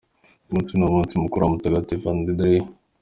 Uyu munsi ni umunsi mukuru wa Mutagatifu Andereya.